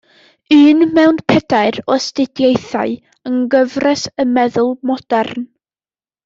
Un mewn pedair o astudiaethau yng Nghyfres y Meddwl Modern.